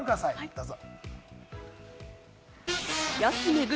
どうぞ。